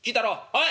おい！